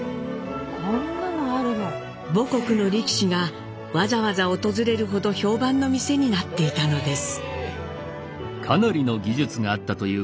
母国の力士がわざわざ訪れるほど評判の店になっていたのです。